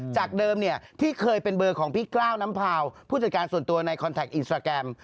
จากเดิมเนี่ยที่เคยเป็นเบอร์ของพี่กล้าวน้ำพาวผู้จัดการส่วนตัวในคอนแท็กอินสตราแกรม